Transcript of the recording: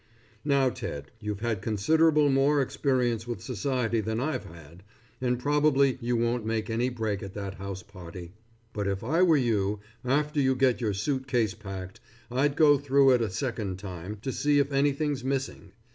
Now Ted you've had considerable more experience with society than I've had, and probably you won't make any break at that house party, but if I were you after you get your suit case packed, I'd go through it a second time to see if anything's missing.